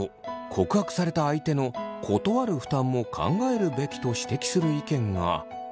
告白された相手の断る負担も考えるべきと指摘する意見が。